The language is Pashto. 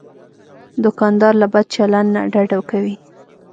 دوکاندار له بد چلند نه ډډه کوي.